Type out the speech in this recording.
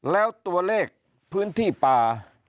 แล้วตัวเลขพื้นที่ป่า